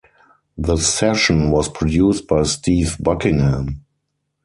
The session was produced by Steve Buckingham.